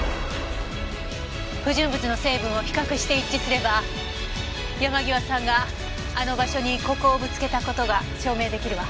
不純物の成分を比較して一致すれば山際さんがあの場所にここをぶつけた事が証明出来るわ。